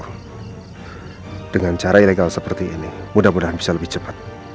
dengan cara ilegal seperti ini mudah mudahan bisa lebih cepat